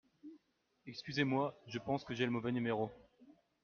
Excusez-moi, je pense que j'ai le mauvais numéro.